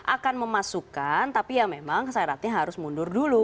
akan memasukkan tapi ya memang syaratnya harus mundur dulu